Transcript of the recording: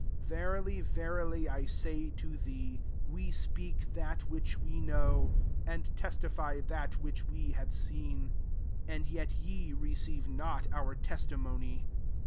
11 Verily, verily, I say to thee,, We speak that which we know, and testify that which we have seen ; and yet ye receive not our testi mony.